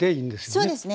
そうですね。